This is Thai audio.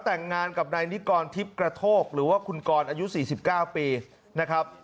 แต่งงานกับนายนิกรทิพย์กระโทกหรือว่าคุณกรอายุ๔๙ปีนะครับ